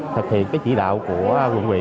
thực hiện cái chỉ đạo của quận quỹ